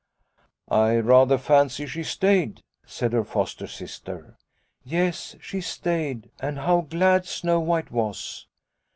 I rather fancy she stayed," said her foster sister. " Yes, she stayed, and how glad Snow White was.